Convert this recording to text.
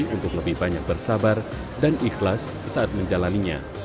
untuk lebih banyak bersabar dan ikhlas saat menjalannya